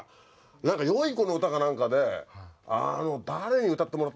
何かよい子の歌か何かであの誰に歌ってもらったんだっけな？